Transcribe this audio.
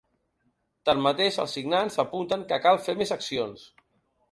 Tanmateix, els signants apunten que cal fer més accions.